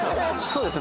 そうです